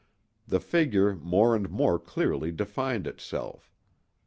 The figure more and more clearly defined itself.